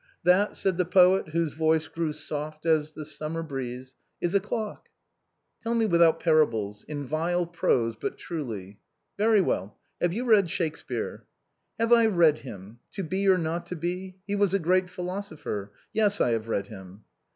That," said the poet, whose voice grew soft as the sum mer breeze, " is a clock." " Tell me without parables — in vile prose, but truly." " Very well. Have you read Shakespeare ?"" Have I read him ?' To be or not to be ?' He was a great philosopher. Yes, I have read him."